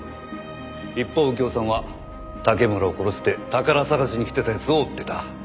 一方右京さんは竹村を殺して宝探しに来てた奴を追ってた。